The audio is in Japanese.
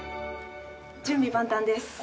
準備万端です。